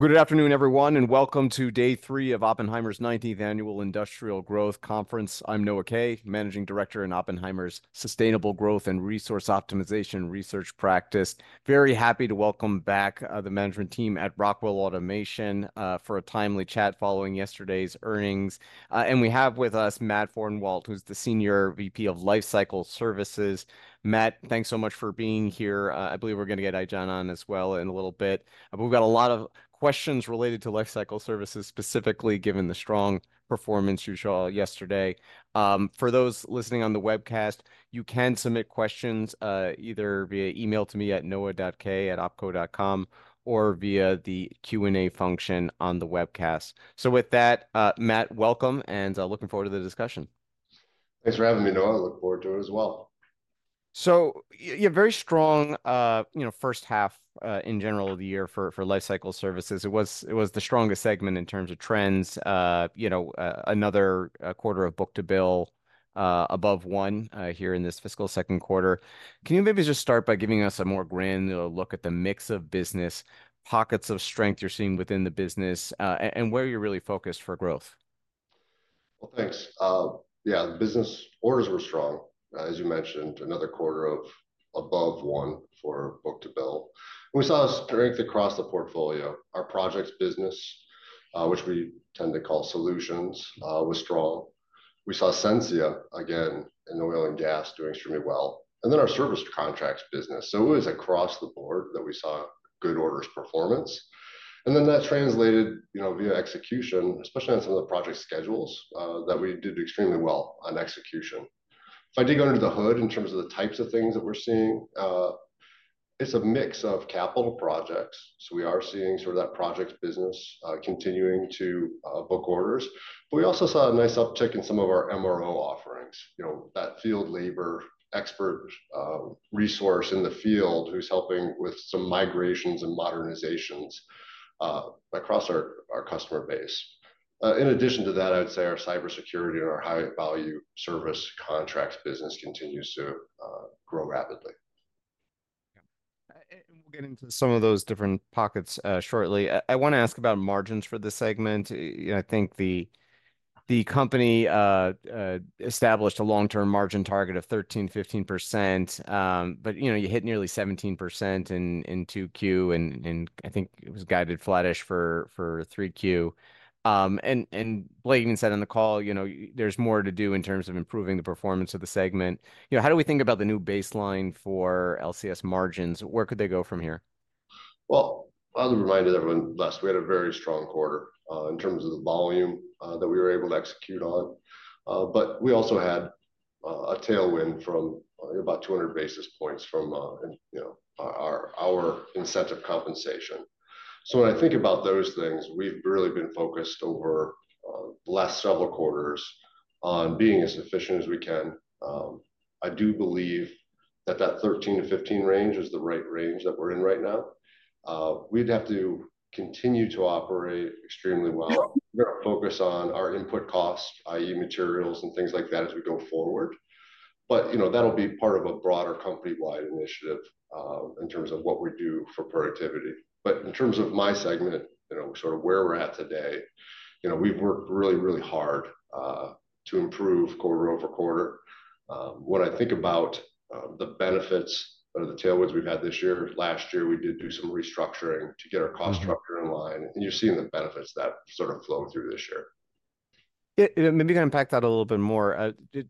Good afternoon, everyone, and Welcome to Day Three of Oppenheimer's 19th Annual Industrial Growth Conference. I'm Noah Kaye, Managing Director in Oppenheimer's Sustainable Growth and Resource Optimization Research Practice. Very happy to welcome back the management team at Rockwell Automation for a timely chat following yesterday's earnings. And we have with us Matt Fordenwalt, who's the Senior VP of Lifecycle Services. Matt, thanks so much for being here. I believe we're going to get Aijana on as well in a little bit. But we've got a lot of questions related to Lifecycle Services, specifically given the strong performance you saw yesterday. For those listening on the webcast, you can submit questions either via email to me at noah.kaye@opco.com or via the Q&A function on the webcast. So with that, Matt, welcome, and looking forward to the discussion. Thanks for having me, Noah. I look forward to it as well. So you have very strong, you know, first half in general of the year for Lifecycle Services. It was the strongest segment in terms of trends. You know, another quarter of Book to Bill above one here in this fiscal second quarter. Can you maybe just start by giving us a more granular look at the mix of business pockets of strength you're seeing within the business and where you're really focused for growth? Well, thanks. Yeah, the business orders were strong, as you mentioned, another quarter of above one for Book to Bill. We saw a strength across the portfolio. Our projects business, which we tend to call solutions, was strong. We saw Sensia, again, in oil and gas doing extremely well. And then our service contracts business. So it was across the board that we saw good orders performance. And then that translated, you know, via execution, especially on some of the project schedules that we did extremely well on execution. If I dig under the hood in terms of the types of things that we're seeing, it's a mix of capital projects. So we are seeing sort of that projects business continuing to book orders. But we also saw a nice uptick in some of our MRO offerings, you know, that field labor expert resource in the field who's helping with some migrations and modernizations across our customer base. In addition to that, I would say our cybersecurity and our high-value service contracts business continues to grow rapidly. Yeah. And we'll get into some of those different pockets shortly. I want to ask about margins for this segment. I think the company established a long-term margin target of 13%-15%. But, you know, you hit nearly 17% in 2Q, and I think it was guided flattish for 3Q. And Blake even said on the call, you know, there's more to do in terms of improving the performance of the segment. You know, how do we think about the new baseline for LCS margins? Where could they go from here? Well, as a reminder to everyone, last quarter we had a very strong quarter in terms of the volume that we were able to execute on. But we also had a tailwind from about 200 basis points from, you know, our incentive compensation. So when I think about those things, we've really been focused over the last several quarters on being as efficient as we can. I do believe that that 13%-15% range is the right range that we're in right now. We'd have to continue to operate extremely well. We're going to focus on our input costs, i.e., materials and things like that as we go forward. But, you know, that'll be part of a broader company-wide initiative in terms of what we do for productivity. But in terms of my segment, you know, sort of where we're at today, you know, we've worked really, really hard to improve quarter-over-quarter. When I think about the benefits of the tailwinds we've had this year, last year we did do some restructuring to get our cost structure in line. And you're seeing the benefits that sort of flow through this year. Maybe you can unpack that a little bit more. The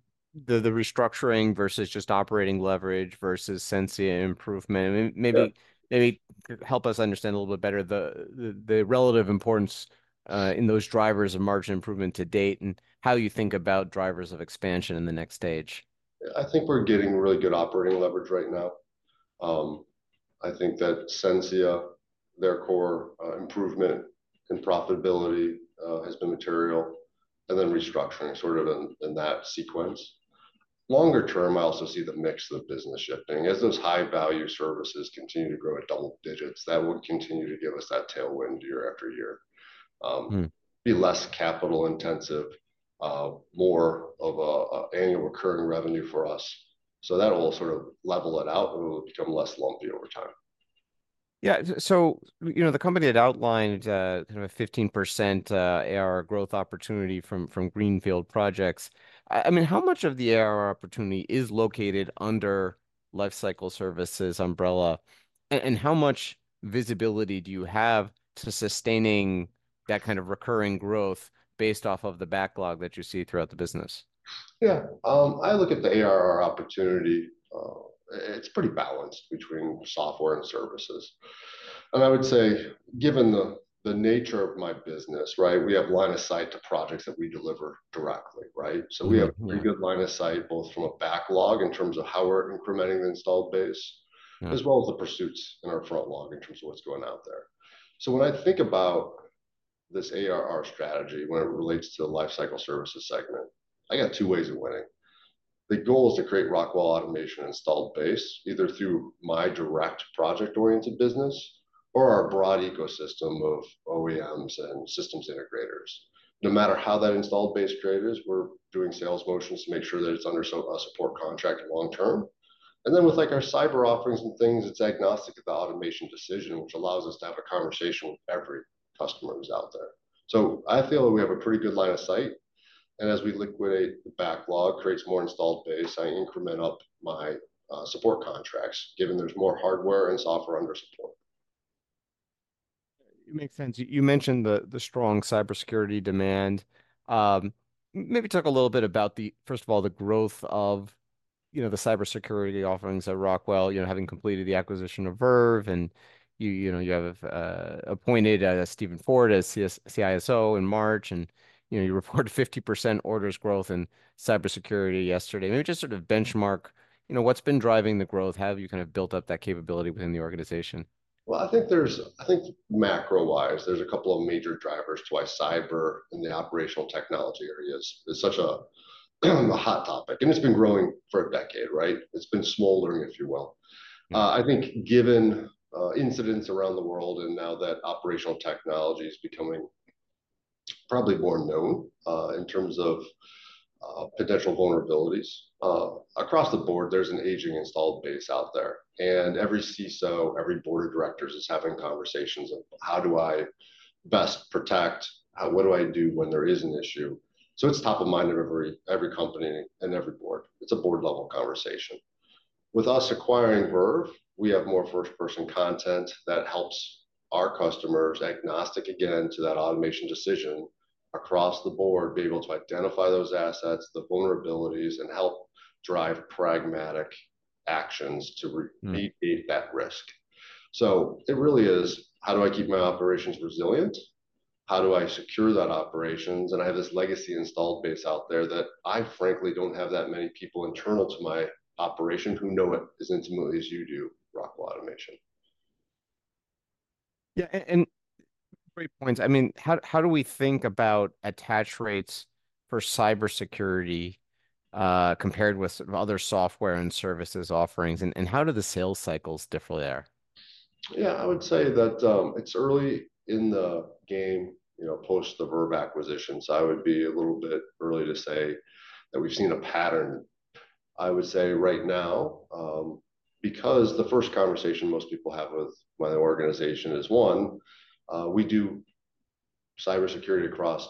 restructuring versus just operating leverage versus Sensia improvement. Maybe help us understand a little bit better the relative importance in those drivers of margin improvement to date and how you think about drivers of expansion in the next stage. I think we're getting really good operating leverage right now. I think that Sensia, their core improvement in profitability, has been material. And then restructuring sort of in that sequence. Longer term, I also see the mix of business shifting. As those high-value services continue to grow at double digits, that will continue to give us that tailwind year after year. Be less capital intensive, more of an annual recurring revenue for us. So that will sort of level it out. It will become less lumpy over time. Yeah. So, you know, the company had outlined kind of a 15% ARR growth opportunity from Greenfield projects. I mean, how much of the ARR opportunity is located under Lifecycle Services umbrella? And how much visibility do you have to sustaining that kind of recurring growth based off of the backlog that you see throughout the business? Yeah. I look at the ARR opportunity. It's pretty balanced between software and services. I would say, given the nature of my business, right, we have line of sight to projects that we deliver directly, right? We have pretty good line of sight both from a backlog in terms of how we're incrementing the installed base, as well as the pursuits in our front log in terms of what's going out there. When I think about this ARR strategy, when it relates to the Lifecycle Services segment, I got two ways of winning. The goal is to create Rockwell Automation installed base, either through my direct project-oriented business or our broad ecosystem of OEMs and systems integrators. No matter how that installed base created is, we're doing sales motions to make sure that it's under a support contract long term. And then with our cyber offerings and things, it's agnostic of the automation decision, which allows us to have a conversation with every customer who's out there. So I feel that we have a pretty good line of sight. And as we liquidate the backlog, creates more installed base, I increment up my support contracts, given there's more hardware and software under support. It makes sense. You mentioned the strong cybersecurity demand. Maybe talk a little bit about, first of all, the growth of, you know, the cybersecurity offerings at Rockwell, you know, having completed the acquisition of Verve. And you know, you have appointed Stephen Ford as CISO in March. And you know, you reported 50% orders growth in cybersecurity yesterday. Maybe just sort of benchmark, you know, what's been driving the growth? Have you kind of built up that capability within the organization? Well, I think macro-wise, there's a couple of major drivers to why cyber and the operational technology area is such a hot topic. It's been growing for a decade, right? It's been smoldering, if you will. I think given incidents around the world and now that operational technology is becoming probably more known in terms of potential vulnerabilities, across the board, there's an aging installed base out there. Every CISO, every board of directors is having conversations of how do I best protect? What do I do when there is an issue? It's top of mind of every company and every board. It's a board-level conversation. With us acquiring Verve, we have more first-person content that helps our customers agnostic, again, to that automation decision across the board, be able to identify those assets, the vulnerabilities, and help drive pragmatic actions to mitigate that risk. So it really is, how do I keep my operations resilient? How do I secure that operations? And I have this legacy installed base out there that I, frankly, don't have that many people internal to my operation who know it as intimately as you do, Rockwell Automation. Yeah. And great points. I mean, how do we think about attach rates for cybersecurity compared with other software and services offerings? And how do the sales cycles differ there? Yeah. I would say that it's early in the game, you know, post the Verve acquisition. So I would be a little bit early to say that we've seen a pattern. I would say right now, because the first conversation most people have with my organization is one, we do cybersecurity across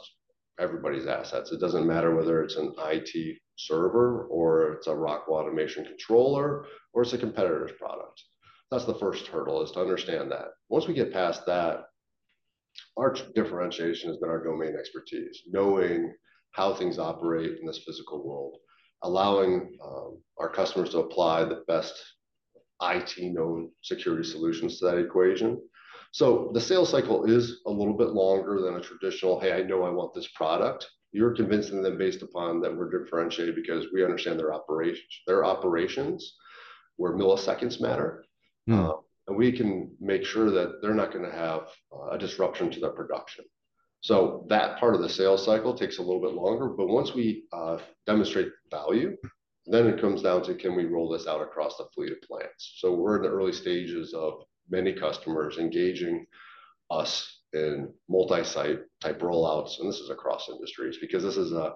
everybody's assets. It doesn't matter whether it's an IT server or it's a Rockwell Automation controller or it's a competitor's product. That's the first hurdle, is to understand that. Once we get past that, our differentiation has been our domain expertise, knowing how things operate in this physical world, allowing our customers to apply the best IT-known security solutions to that equation. So the sales cycle is a little bit longer than a traditional, hey, I know I want this product. You're convincing them based upon that we're differentiated because we understand their operations. Where milliseconds matter. And we can make sure that they're not going to have a disruption to their production. So that part of the sales cycle takes a little bit longer. But once we demonstrate value, then it comes down to can we roll this out across the fleet of plants? So we're in the early stages of many customers engaging us in multi-site type rollouts. And this is across industries because this is an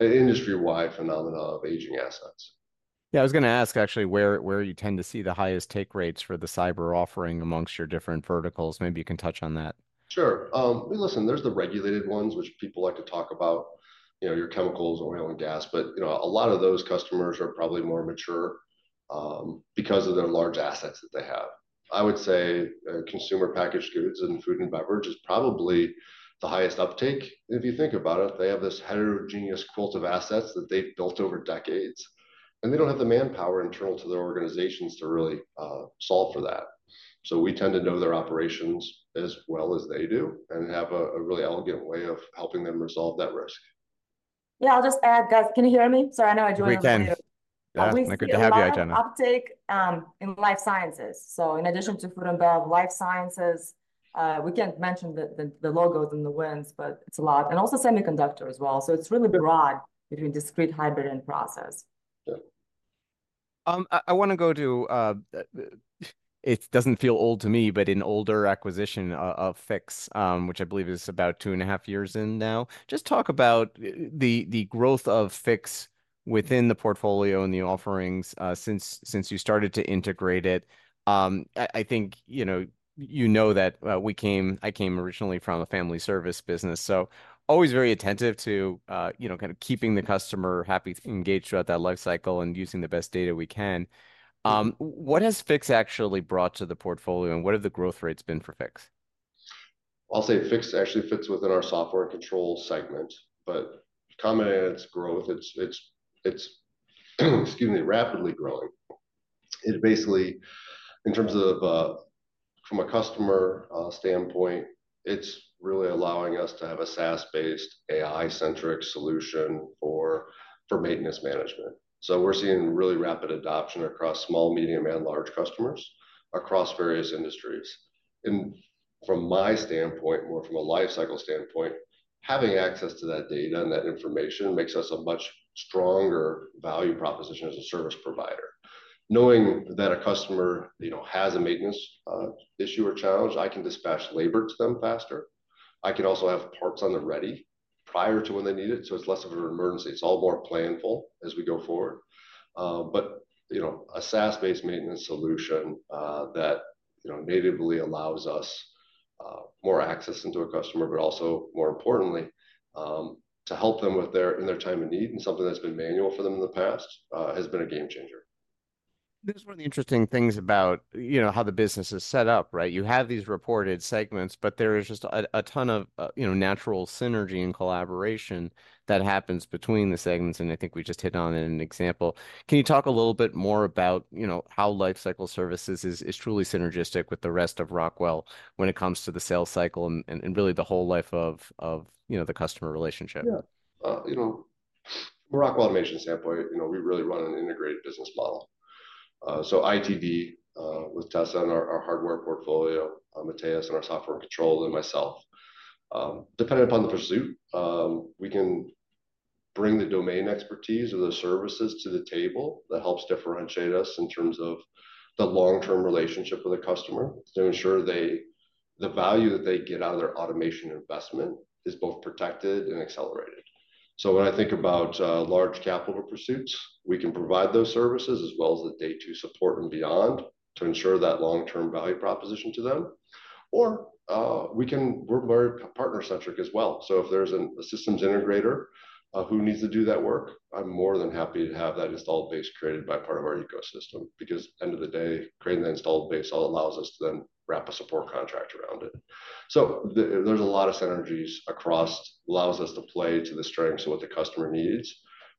industry-wide phenomenon of aging assets. Yeah. I was going to ask, actually, where you tend to see the highest take rates for the cyber offering amongst your different verticals. Maybe you can touch on that. Sure. Listen, there's the regulated ones, which people like to talk about, you know, your chemicals, oil, and gas. But you know, a lot of those customers are probably more mature because of their large assets that they have. I would say consumer packaged goods and food and beverage is probably the highest uptake, if you think about it. They have this heterogeneous quilt of assets that they've built over decades. And they don't have the manpower internal to their organizations to really solve for that. So we tend to know their operations as well as they do and have a really elegant way of helping them resolve that risk. Yeah. I'll just add, guys, can you hear me? Sorry, I know I joined on mute. We can. Always great to have you, Aijana. Uptake in life sciences. So in addition to Food and Beverage, life sciences, we can't mention the logos and the wins, but it's a lot. And also semiconductor as well. So it's really broad between discrete, hybrid, and process. Yeah. I want to go to it. It doesn't feel old to me, but an older acquisition of Fiix, which I believe is about two and a half years in now. Just talk about the growth of Fiix within the portfolio and the offerings since you started to integrate it. I think, you know, you know that I came originally from a family service business. So always very attentive to, you know, kind of keeping the customer happy, engaged throughout that life cycle and using the best data we can. What has Fiix actually brought to the portfolio? And what have the growth rates been for Fiix? I'll say Fiix actually fits within our Software & Control segment. But commenting on its growth, it's rapidly growing. It basically, in terms of from a customer standpoint, it's really allowing us to have a SaaS-based, AI-centric solution for maintenance management. So we're seeing really rapid adoption across small, medium, and large customers across various industries. And from my standpoint, more from a life cycle standpoint, having access to that data and that information makes us a much stronger value proposition as a service provider. Knowing that a customer, you know, has a maintenance issue or challenge, I can dispatch labor to them faster. I can also have parts on the ready prior to when they need it. So it's less of an emergency. It's all more planful as we go forward. You know, a SaaS-based maintenance solution that, you know, natively allows us more access into a customer, but also more importantly, to help them with their time of need and something that's been manual for them in the past has been a game changer. This is one of the interesting things about, you know, how the business is set up, right? You have these reported segments, but there is just a ton of, you know, natural synergy and collaboration that happens between the segments. And I think we just hit on it in an example. Can you talk a little bit more about, you know, how Lifecycle Services is truly synergistic with the rest of Rockwell when it comes to the sales cycle and really the whole life of, you know, the customer relationship? Yeah. You know, from a Rockwell Automation standpoint, you know, we really run an integrated business model. So ITD with Tessa in our hardware portfolio, Matheus in our software control, and myself. Depending upon the pursuit, we can bring the domain expertise or the services to the table that helps differentiate us in terms of the long-term relationship with a customer to ensure the value that they get out of their automation investment is both protected and accelerated. So when I think about large capital pursuits, we can provide those services as well as the day-to-day support and beyond to ensure that long-term value proposition to them. Or we can, we're very partner-centric as well. So if there's a systems integrator who needs to do that work, I'm more than happy to have that installed base created by part of our ecosystem. Because, end of the day, creating the installed base allows us to then wrap a support contract around it. So there's a lot of synergies across allows us to play to the strengths of what the customer needs.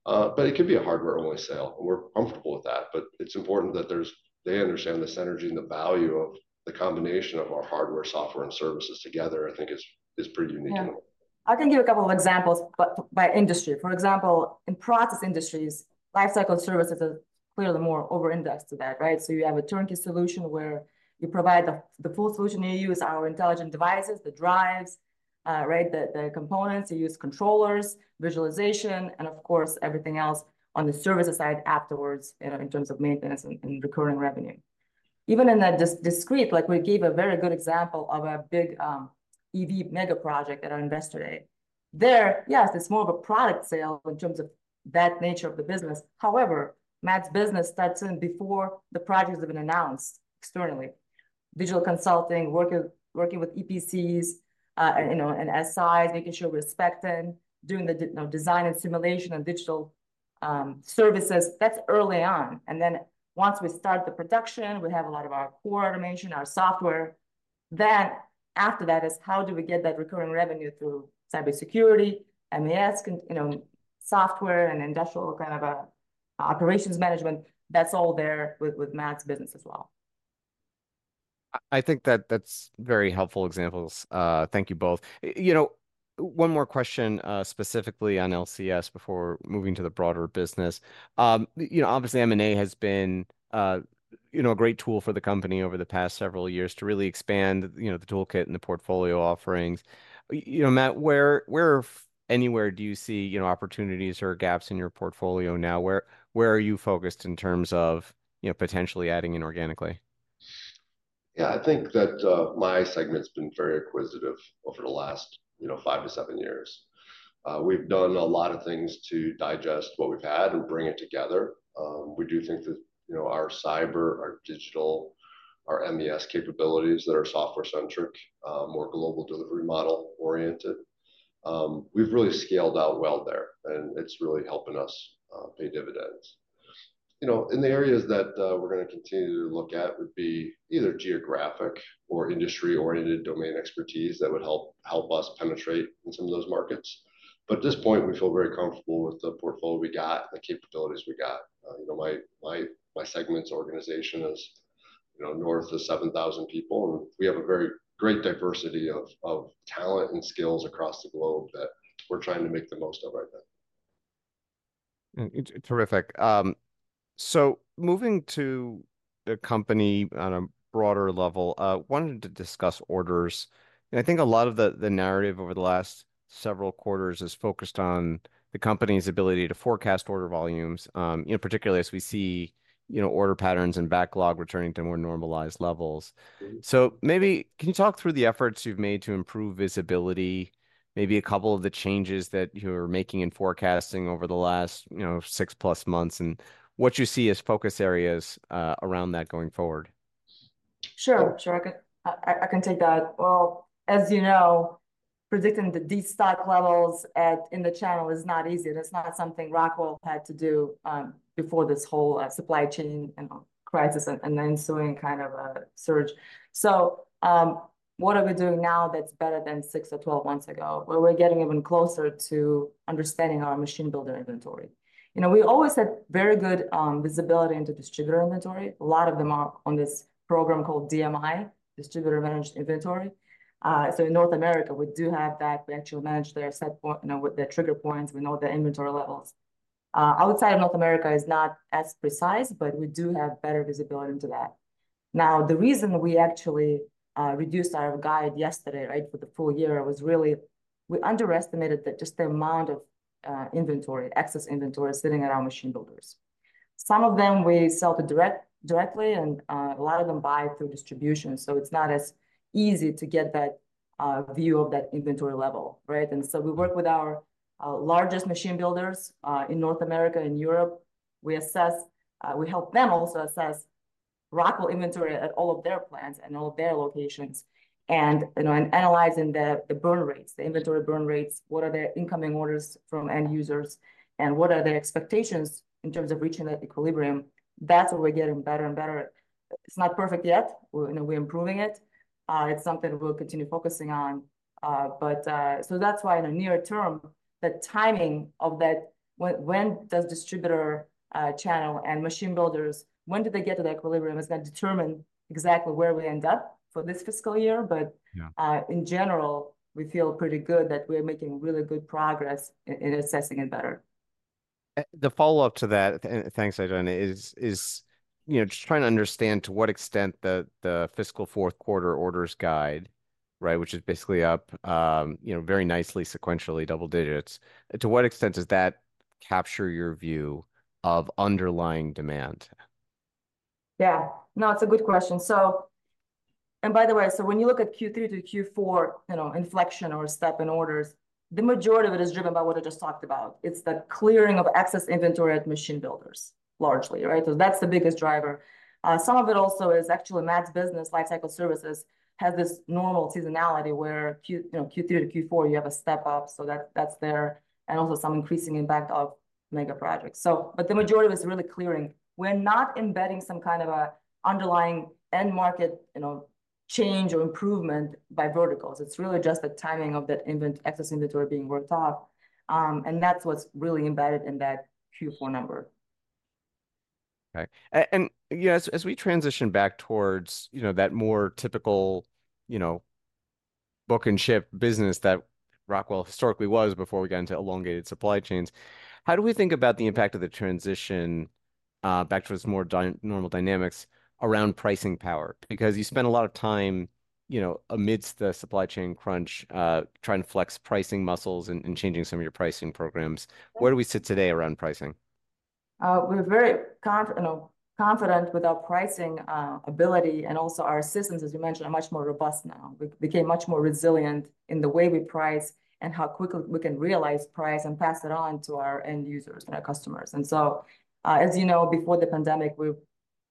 But it can be a hardware-only sale. And we're comfortable with that. But it's important that they understand the synergy and the value of the combination of our hardware, software, and services together, I think, is pretty unique. I can give a couple of examples by industry. For example, in process industries, Lifecycle Services is clearly more over-indexed to that, right? So you have a turnkey solution where you provide the full solution. You use our Intelligent Devices, the drives, right, the components. You use controllers, visualization, and of course, everything else on the service side afterwards, you know, in terms of maintenance and recurring revenue. Even in the discrete, like we gave a very good example of a big EV mega project that I invested in. There, yes, it's more of a product sale in terms of that nature of the business. However, Matt's business starts in before the projects have been announced externally. Digital consulting, working with EPCs, you know, and SIs, making sure we're expecting, doing the design and simulation and digital services. That's early on. And then once we start the production, we have a lot of our core automation, our software. Then after that is how do we get that recurring revenue through cybersecurity, MES, you know, software and industrial kind of operations management. That's all there with Matt's business as well. I think that's very helpful examples. Thank you both. You know, one more question specifically on LCS before moving to the broader business. You know, obviously, M&A has been, you know, a great tool for the company over the past several years to really expand, you know, the toolkit and the portfolio offerings. You know, Matt, where anywhere do you see, you know, opportunities or gaps in your portfolio now? Where are you focused in terms of, you know, potentially adding in organically? Yeah. I think that my segment's been very acquisitive over the last, you know, five-seven years. We've done a lot of things to digest what we've had and bring it together. We do think that, you know, our cyber, our digital, our MES capabilities that are software-centric, more global delivery model oriented. We've really scaled out well there. And it's really helping us pay dividends. You know, in the areas that we're going to continue to look at would be either geographic or industry-oriented domain expertise that would help us penetrate in some of those markets. But at this point, we feel very comfortable with the portfolio we got, the capabilities we got. You know, my segment's organization is, you know, north of 7,000 people. We have a very great diversity of talent and skills across the globe that we're trying to make the most of right now. Terrific. So moving to the company on a broader level, I wanted to discuss orders. And I think a lot of the narrative over the last several quarters is focused on the company's ability to forecast order volumes, you know, particularly as we see, you know, order patterns and backlog returning to more normalized levels. So maybe can you talk through the efforts you've made to improve visibility, maybe a couple of the changes that you're making in forecasting over the last, you know, six plus months and what you see as focus areas around that going forward? Sure. Sure. I can take that. Well, as you know, predicting the deep stock levels in the channel is not easy. It's not something Rockwell had to do before this whole supply chain crisis and the ensuing kind of surge. What are we doing now that's better than six or 12 months ago? Well, we're getting even closer to understanding our machine builder inventory. You know, we always had very good visibility into distributor inventory. A lot of them are on this program called DMI, Distributor Managed Inventory. In North America, we do have that. We actually manage their set point, you know, with their trigger points. We know their inventory levels. Outside of North America is not as precise, but we do have better visibility into that. Now, the reason we actually reduced our guide yesterday, right, for the full year was really we underestimated that just the amount of inventory, excess inventory sitting at our machine builders. Some of them we sell to directly and a lot of them buy through distribution. So it's not as easy to get that view of that inventory level, right? And so we work with our largest machine builders in North America and Europe. We assess, we help them also assess Rockwell inventory at all of their plants and all of their locations. And, you know, analyzing the burn rates, the inventory burn rates, what are their incoming orders from end users? And what are their expectations in terms of reaching that equilibrium? That's where we're getting better and better. It's not perfect yet. You know, we're improving it. It's something we'll continue focusing on. So that's why, in the near term, the timing of that—when does distributor channel and machine builders, when do they get to the equilibrium—is going to determine exactly where we end up for this fiscal year. In general, we feel pretty good that we're making really good progress in assessing it better. The follow-up to that, thanks, Aijana, is, you know, just trying to understand to what extent the fiscal fourth quarter orders guide, right, which is basically up, you know, very nicely sequentially, double digits, to what extent does that capture your view of underlying demand? Yeah. No, it's a good question. So and by the way, so when you look at Q3 to Q4, you know, inflection or step in orders, the majority of it is driven by what I just talked about. It's the clearing of excess inventory at machine builders, largely, right? So that's the biggest driver. Some of it also is actually Matt's business, Lifecycle Services, has this normal seasonality where Q3 to Q4, you have a step up. So that's there and also some increasing impact of mega projects. So but the majority of it is really clearing. We're not embedding some kind of an underlying end market, you know, change or improvement by verticals. It's really just the timing of that excess inventory being worked off. And that's what's really embedded in that Q4 number. Okay. And, you know, as we transition back towards, you know, that more typical, you know, book and ship business that Rockwell historically was before we got into elongated supply chains, how do we think about the impact of the transition back towards more normal dynamics around pricing power? Because you spend a lot of time, you know, amidst the supply chain crunch trying to flex pricing muscles and changing some of your pricing programs. Where do we sit today around pricing? We're very confident with our pricing ability and also our systems, as you mentioned, are much more robust now. We became much more resilient in the way we price and how quickly we can realize price and pass it on to our end users and our customers. And so, as you know, before the pandemic, we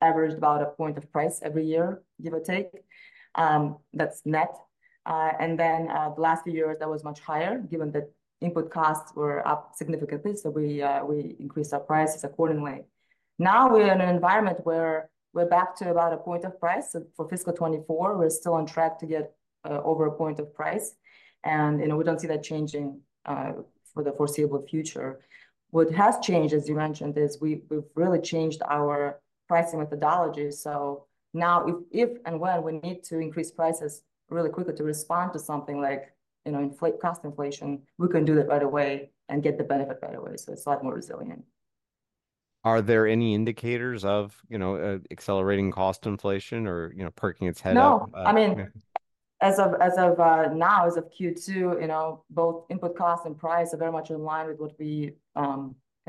averaged about a point of price every year, give or take. That's net. And then the last few years, that was much higher given that input costs were up significantly. So we increased our prices accordingly. Now we're in an environment where we're back to about a point of price. So for fiscal 2024, we're still on track to get over a point of price. And, you know, we don't see that changing for the foreseeable future. What has changed, as you mentioned, is we've really changed our pricing methodology. So now if and when we need to increase prices really quickly to respond to something like, you know, cost inflation, we can do that right away and get the benefit right away. So it's a lot more resilient. Are there any indicators of, you know, accelerating cost inflation or, you know, perking its head up? No. I mean, as of now, as of Q2, you know, both input costs and price are very much in line with what we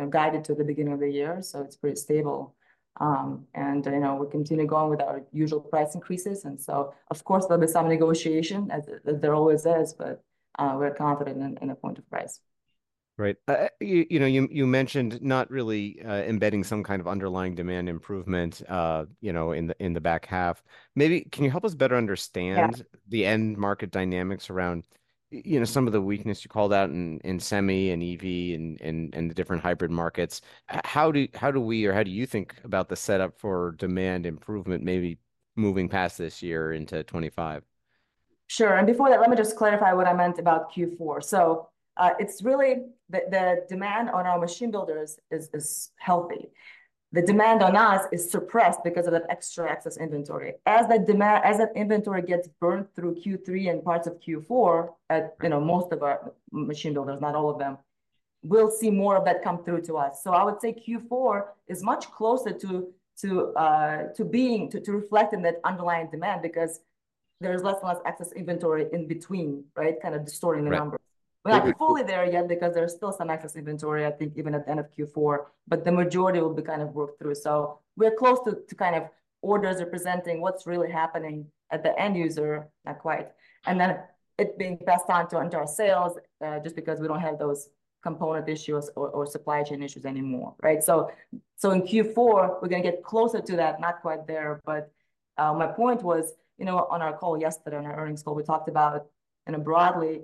guided to the beginning of the year. So it's pretty stable. And, you know, we continue going with our usual price increases. And so, of course, there'll be some negotiation, as there always is. But we're confident in a point of price. Great. You know, you mentioned not really embedding some kind of underlying demand improvement, you know, in the back half. Maybe can you help us better understand the end market dynamics around, you know, some of the weakness you called out in semi and EV and the different hybrid markets? How do we or how do you think about the setup for demand improvement maybe moving past this year into 2025? Sure. Before that, let me just clarify what I meant about Q4. So it's really the demand on our machine builders is healthy. The demand on us is suppressed because of that extra excess inventory. As that inventory gets burned through Q3 and parts of Q4, you know, at most of our machine builders, not all of them, we'll see more of that come through to us. So I would say Q4 is much closer to reflecting that underlying demand because there's less and less excess inventory in between, right, kind of distorting the numbers. We're not fully there yet because there's still some excess inventory, I think, even at the end of Q4. But the majority will be kind of worked through. So we're close to kind of orders representing what's really happening at the end user, not quite. And then it being passed on to our sales just because we don't have those component issues or supply chain issues anymore, right? So in Q4, we're going to get closer to that, not quite there. But my point was, you know, on our call yesterday, on our earnings call, we talked about, you know, broadly,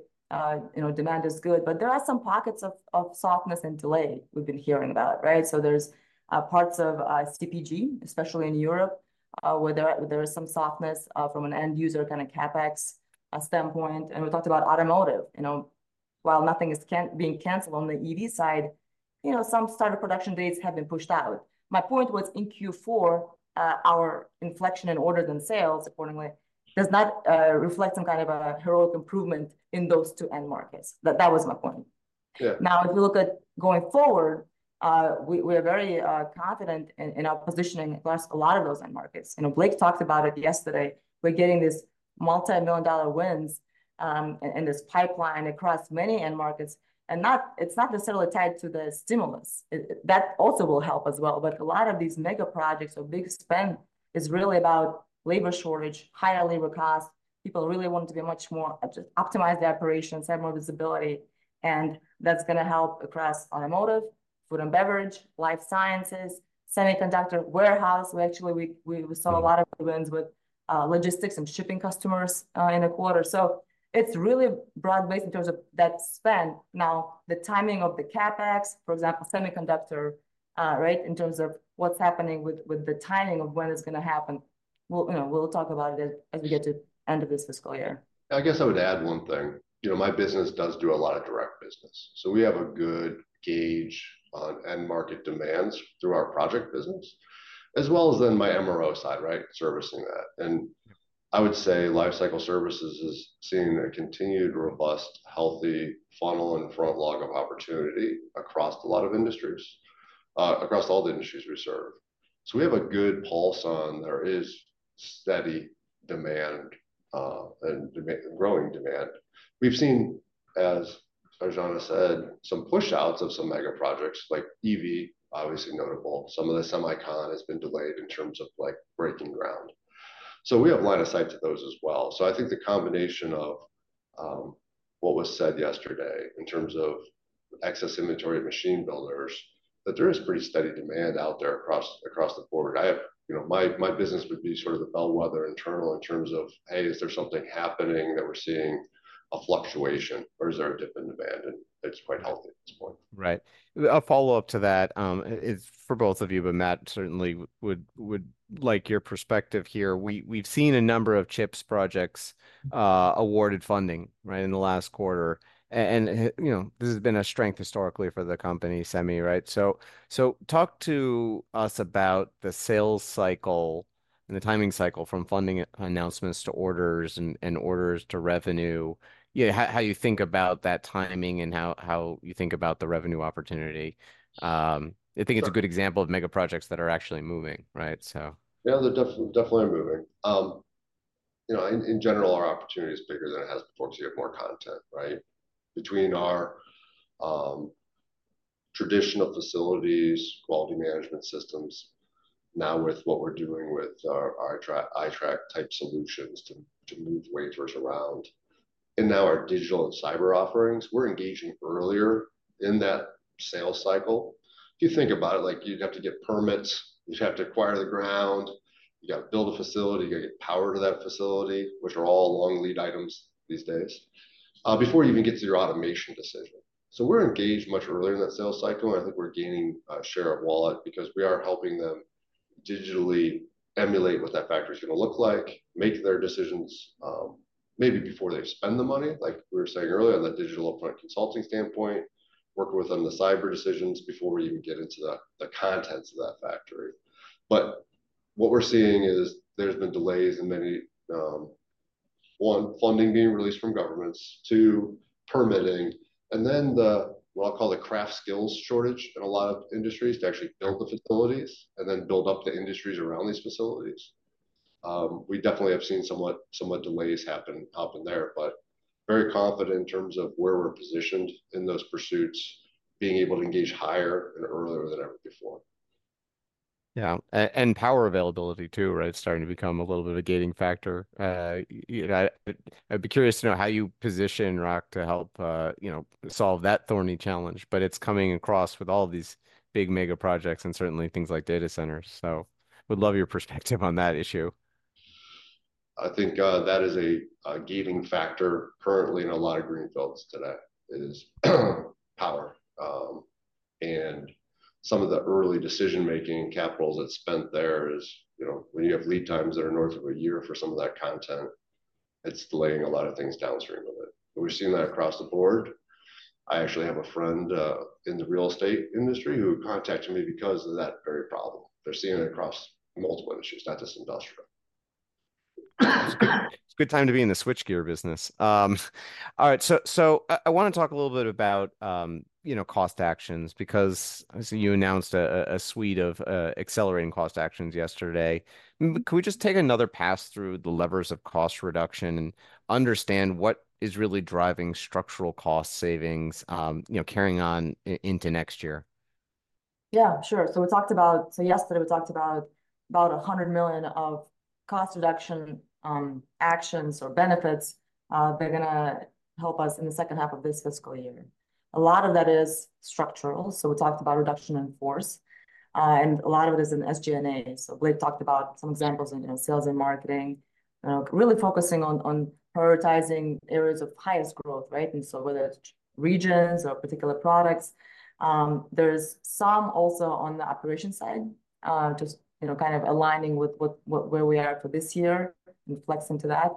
you know, demand is good. But there are some pockets of softness and delay we've been hearing about, right? So there's parts of CPG, especially in Europe, where there is some softness from an end user kind of CapEx standpoint. And we talked about automotive. You know, while nothing is being canceled on the EV side, you know, some start of production dates have been pushed out. My point was in Q4, our inflection in orders than sales, accordingly, does not reflect some kind of a heroic improvement in those two end markets. That was my point. Now, if you look at going forward, we are very confident in our positioning across a lot of those end markets. You know, Blake talked about it yesterday. We're getting these multimillion-dollar wins in this pipeline across many end markets. And it's not necessarily tied to the stimulus. That also will help as well. But a lot of these mega projects or big spend is really about labor shortage, higher labor costs. People really want to be much more just optimize their operations, have more visibility. And that's going to help across automotive, food and beverage, life sciences, semiconductor warehouse. We actually saw a lot of wins with logistics and shipping customers in the quarter. So it's really broad-based in terms of that spend. Now, the timing of the CapEx, for example, semiconductor, right, in terms of what's happening with the timing of when it's going to happen, we'll talk about it as we get to the end of this fiscal year. I guess I would add one thing. You know, my business does do a lot of direct business. So we have a good gauge on end market demands through our project business, as well as then my MRO side, right, servicing that. I would say Lifecycle Services is seeing a continued, robust, healthy funnel and front log of opportunity across a lot of industries, across all the industries we serve. So we have a good pulse on there is steady demand and growing demand. We've seen, as Aijana said, some push-outs of some mega projects like EV, obviously notable. Some of the semicon has been delayed in terms of like breaking ground. So we have line of sight to those as well. So I think the combination of what was said yesterday in terms of excess inventory of machine builders, that there is pretty steady demand out there across the board. I have, you know, my business would be sort of the bellwether internal in terms of, hey, is there something happening that we're seeing a fluctuation or is there a dip in demand? And it's quite healthy at this point. Right. A follow-up to that is for both of you, but Matt certainly would like your perspective here. We've seen a number of CHIPS projects awarded funding, right, in the last quarter. And, you know, this has been a strength historically for the company, semi, right? So talk to us about the sales cycle and the timing cycle from funding announcements to orders and orders to revenue, you know, how you think about that timing and how you think about the revenue opportunity. I think it's a good example of mega projects that are actually moving, right? So. Yeah, they're definitely moving. You know, in general, our opportunity is bigger than it has before because you have more content, right? Between our traditional facilities, quality management systems, now with what we're doing with our iTRAK type solutions to move wafers around. And now our digital and cyber offerings, we're engaging earlier in that sales cycle. If you think about it, like you'd have to get permits. You'd have to acquire the ground. You got to build a facility. You got to get power to that facility, which are all long lead items these days, before you even get to your automation decision. So we're engaged much earlier in that sales cycle. I think we're gaining a share of wallet because we are helping them digitally emulate what that factory is going to look like, make their decisions maybe before they spend the money, like we were saying earlier on the digital upfront consulting standpoint, work with them the cyber decisions before we even get into the contents of that factory. But what we're seeing is there's been delays in many, one, funding being released from governments, three, permitting, and then the what I'll call the craft skills shortage in a lot of industries to actually build the facilities and then build up the industries around these facilities. We definitely have seen somewhat delays happen up in there, but very confident in terms of where we're positioned in those pursuits, being able to engage higher and earlier than ever before. Yeah. And power availability too, right, starting to become a little bit of a gating factor. I'd be curious to know how you position Rock to help, you know, solve that thorny challenge, but it's coming across with all of these big mega projects and certainly things like data centers. So would love your perspective on that issue. I think that is a gating factor currently in a lot of greenfields today: power. Some of the early decision-making capital that's spent there is, you know, when you have lead times that are north of a year for some of that content, it's delaying a lot of things downstream of it. But we've seen that across the board. I actually have a friend in the real estate industry who contacted me because of that very problem. They're seeing it across multiple issues, not just industrial. It's a good time to be in the switchgear business. All right. So I want to talk a little bit about, you know, cost actions because I see you announced a suite of accelerating cost actions yesterday. Could we just take another pass through the levers of cost reduction and understand what is really driving structural cost savings, you know, carrying on into next year? Yeah, sure. So yesterday, we talked about $100 million of cost reduction actions or benefits that are going to help us in the second half of this fiscal year. A lot of that is structural. So we talked about reduction in force. And a lot of it is in SG&A. So Blake talked about some examples in, you know, sales and marketing, you know, really focusing on prioritizing areas of highest growth, right? And so whether it's regions or particular products, there's some also on the operation side, just, you know, kind of aligning with where we are for this year and flexing to that.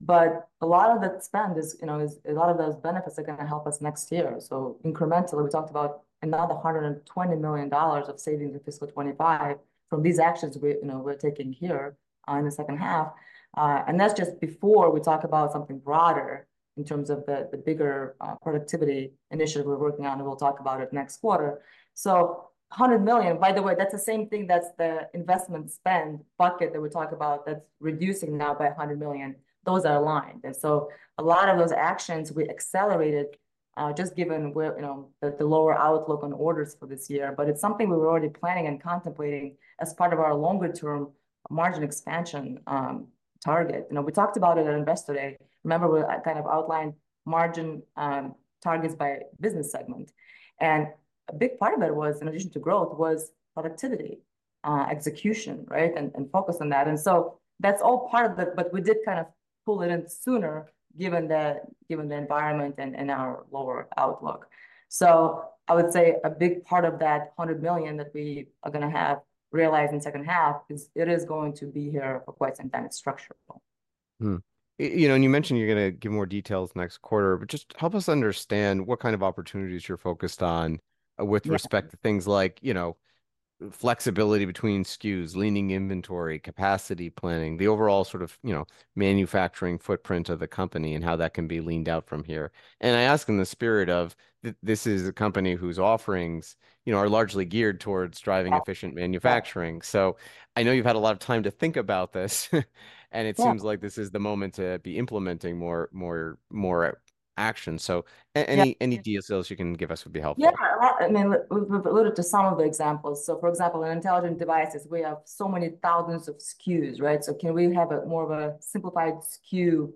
But a lot of that spend is, you know, a lot of those benefits are going to help us next year. So incrementally, we talked about another $120 million of savings in fiscal 2025 from these actions we, you know, we're taking here in the second half. And that's just before we talk about something broader in terms of the bigger productivity initiative we're working on and we'll talk about it next quarter. So $100 million, by the way, that's the same thing that's the investment spend bucket that we talk about that's reducing now by $100 million. Those are aligned. And so a lot of those actions we accelerated just given we're, you know, the lower outlook on orders for this year. But it's something we were already planning and contemplating as part of our longer-term margin expansion target. You know, we talked about it at Investor Day. Remember, we kind of outlined margin targets by business segment. A big part of it was, in addition to growth, productivity, execution, right, and focus on that. So that's all part of it, but we did kind of pull it in sooner given the environment and our lower outlook. I would say a big part of that $100 million that we are going to have realized in second half is going to be here for quite some time. It's structural. You know, and you mentioned you're going to give more details next quarter, but just help us understand what kind of opportunities you're focused on with respect to things like, you know, flexibility between SKUs, leaning inventory, capacity planning, the overall sort of, you know, manufacturing footprint of the company and how that can be leaned out from here. And I ask in the spirit of this is a company whose offerings, you know, are largely geared towards driving efficient manufacturing. So I know you've had a lot of time to think about this. And it seems like this is the moment to be implementing more action. So any details you can give us would be helpful. Yeah. I mean, we've alluded to some of the examples. So for example, in Intelligent Devices, we have so many thousands of SKUs, right? So can we have more of a simplified SKU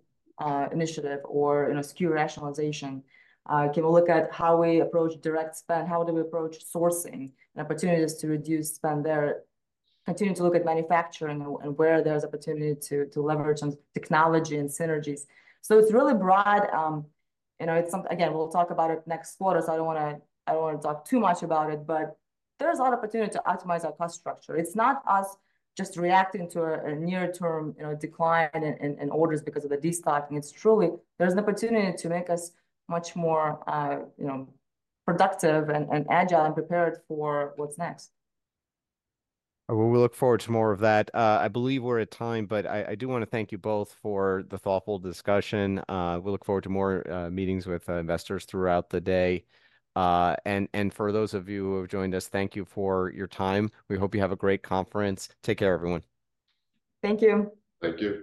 initiative or, you know, SKU rationalization? Can we look at how we approach direct spend? How do we approach sourcing and opportunities to reduce spend there? Continue to look at manufacturing and where there's opportunity to leverage some technology and synergies. So it's really broad. You know, it's something, again, we'll talk about it next quarter. So I don't want to talk too much about it, but there's a lot of opportunity to optimize our cost structure. It's not us just reacting to a near-term decline in orders because of the destocking. It's truly there's an opportunity to make us much more, you know, productive and agile and prepared for what's next. Well, we look forward to more of that. I believe we're at time, but I do want to thank you both for the thoughtful discussion. We look forward to more meetings with investors throughout the day. For those of you who have joined us, thank you for your time. We hope you have a great conference. Take care, everyone. Thank you. Thank you.